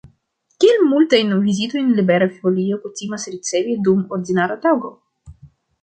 Kiel multajn vizitojn Libera Folio kutimas ricevi dum ordinara tago?